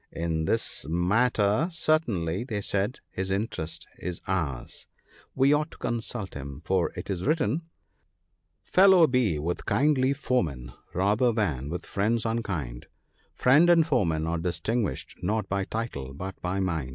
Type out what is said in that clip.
'In this matter certainly/ they said, his interest is ours ; we ought to consult him ; for it is written, —" Fellow be with kindly foemen, rather than with friends unkind ; Friend and foeman are distinguished not by title but by mind.'